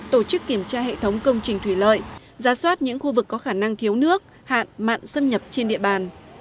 tổ chức kiểm tra hệ thống công trình thủy lợi ra soát những khu vực có khả năng thiếu nước hạn mặn xâm nhập trên địa bàn